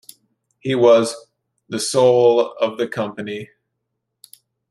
He was "the soul of the company".